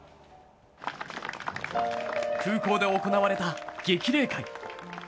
空港で行われた激励会。